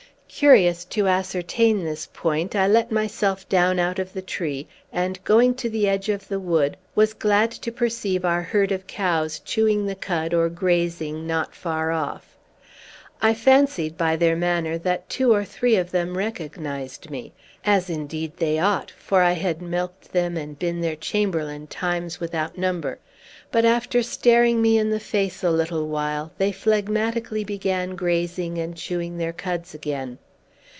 Curious to ascertain this point, I let myself down out of the tree, and going to the edge of the wood, was glad to perceive our herd of cows chewing the cud or grazing not far off. I fancied, by their manner, that two or three of them recognized me (as, indeed, they ought, for I had milked them and been their chamberlain times without number); but, after staring me in the face a little while, they phlegmatically began grazing and chewing their cuds again.